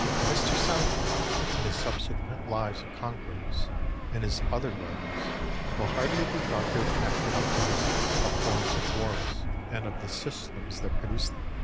Mr Southey, in his subsequent lives of conquerors, and his other writings, will hardly be thought to have acted up to this "abhorrence of wars, and of the systems that produce them."